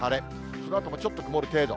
そのあともちょっと曇る程度。